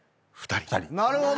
なるほど。